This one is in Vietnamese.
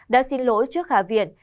đã xin lỗi trước hạ viện